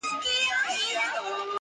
چي مو د پېغلو سره سم ګودر په کاڼو ولي!.